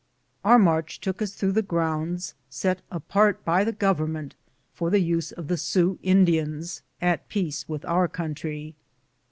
Our march took us tlirongh the grounds set apart by the Government for the use of the Sioux Indians at peace with our country.